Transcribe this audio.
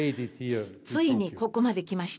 ついにここまで来ました。